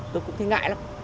tôi cũng thấy ngại lắm